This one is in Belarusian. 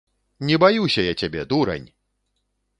Не баюся я цябе, дурань!